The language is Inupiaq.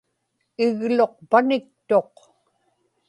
igluqpaniktuq